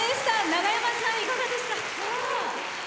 長山さん、いかがでした？